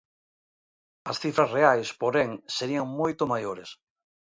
As cifras reais, porén, serían "moito maiores".